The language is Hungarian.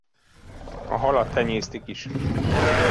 A halat tenyésztik is.